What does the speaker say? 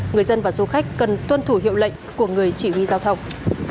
người dân và du khách cần tuân thủ hiệu lệnh của người chỉ huy giao thông